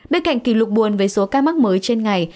bên cạnh kỷ lục buồn với số ca mắc mới trên ngày